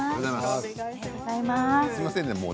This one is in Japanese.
すいませんね